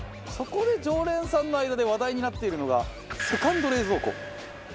そこで常連さんの間で話題になっているのがセカンド冷蔵庫。